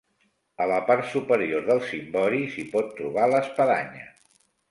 A la part superior del cimbori s'hi pot trobar l'espadanya.